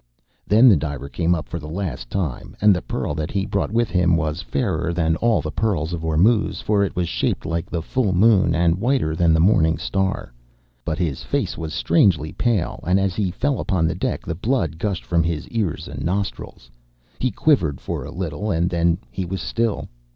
Then the diver came up for the last time, and the pearl that he brought with him was fairer than all the pearls of Ormuz, for it was shaped like the full moon, and whiter than the morning star. But his face was strangely pale, and as he fell upon the deck the blood gushed from his ears and nostrils. He quivered for a little, and then he was still.